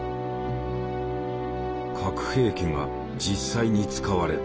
核兵器が実際に使われた。